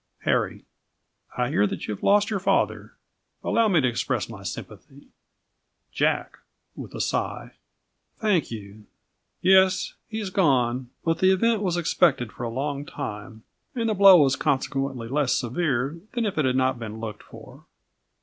Harry I hear that you have lost your father. Allow me to express my sympathy. Jack (with a sigh) Thank you. Yes, he has gone; but the event was expected for a long time, and the blow was consequently less severe than if it had not been looked for.